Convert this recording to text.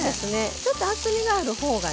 ちょっと厚みがある方がね